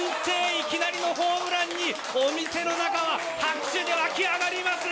いきなりのホームランにお店の中は拍手で沸き上がります。